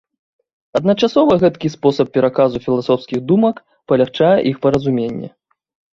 Адначасова гэткі спосаб пераказу філасофскіх думак палягчае іх паразуменне.